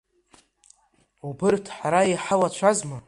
Убырҭ ҳара иҳауацәазма?